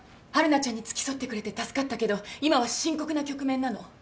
晴汝ちゃんに付き添ってくれて助かったけど今は深刻な局面なの。